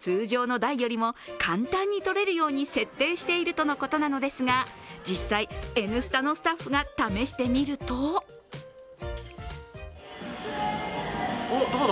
通常の台よりも簡単にとれるように設定しているとのことですが実際、「Ｎスタ」のスタッフが試してみるとお、どうだ？